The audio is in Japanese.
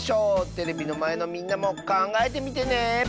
テレビのまえのみんなもかんがえてみてね。